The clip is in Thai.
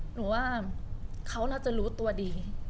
หนูว่าเขาน่าจะรู้ตัวดี